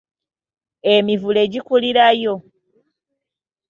Emivule gikulirayo.